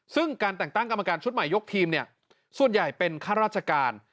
ซึ่งการแต่งตั้งกรรมการชุดใหม่ยกทีมเนี่ยส่วนใหญ่เป็นข้าราชการ